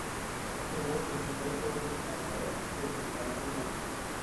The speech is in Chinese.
小油菊为菊科小葵子属下的一个种。